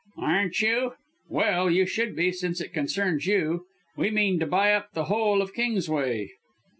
"Aren't you? Well, you should be, since it concerns you. We mean to buy up the whole of Kingsway!"